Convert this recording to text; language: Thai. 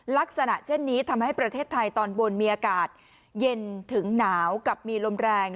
ลักษณะเช่นนี้ทำให้ประเทศไทยตอนบนมีอากาศเย็นถึงหนาวกับมีลมแรง